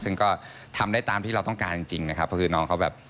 ซึ่งก็ทำได้ตามที่เราต้องการจริงนะครับก็คือน้องเขาแบบ